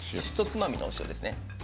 ひとつまみのお塩です。